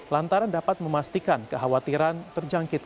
lantaran dapat memastikan kekhawatiran terjangkit